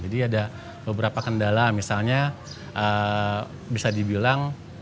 jadi ada beberapa kendala misalnya bisa dibilang